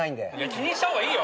気にした方がいいよ。